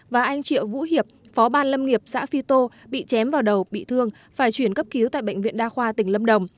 và anh triệu vũ hiệp phó ban lâm nghiệp xã phi tô bị chém vào đầu bị thương phải chuyển cấp cứu tại bệnh viện đa khoa tỉnh lâm đồng